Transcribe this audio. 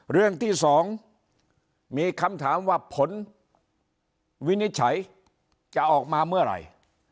เรื่องที่๒มีคำถามว่าผลวินิจฉัยจะออกมาเมื่อไหร่